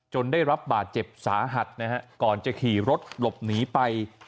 ได้รับบาดเจ็บสาหัสนะฮะก่อนจะขี่รถหลบหนีไป